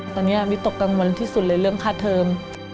ตอนนี้วิตกกังวลที่สุดเลยเรื่องค่าเทิม